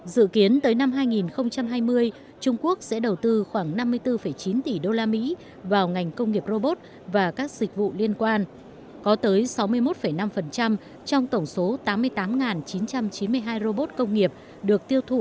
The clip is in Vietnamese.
dự kiến tới năm hai nghìn hai mươi trung quốc sẽ đầu tư khoảng năm mươi bốn chín tỷ đô la mỹ vào ngành công nghiệp robot